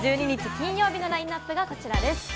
金曜日のラインナップはこちらです。